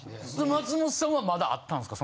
松本さんはまだあったんですか？